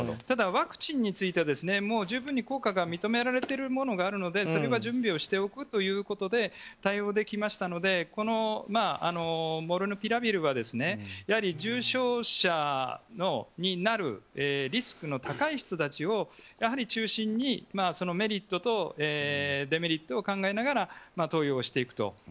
ただ、ワクチンについては十分に効果が認められているものがあるのでそれは準備をしておくということで対応できましたのでこのモルヌピラビルは重症者になるリスクの高い人たちを中心にメリットとデメリットを考えながら投与していく。